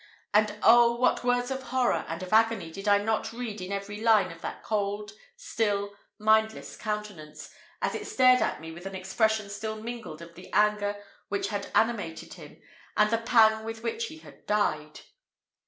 And oh! what words of horror and of agony did I not read in every line of that cold, still, mindless countenance, as it glared at me with an expression still mingled of the anger which had animated him, and the pang with which he had died.